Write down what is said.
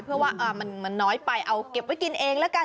เพื่อว่ามันน้อยไปเอาเก็บไว้กินเองแล้วกัน